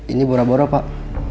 ini bora boro pak